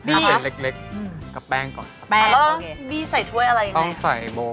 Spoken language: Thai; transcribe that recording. ถ้าใส่เล็กกับแป้งก่อนครับ